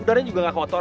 udarnya juga nggak kotor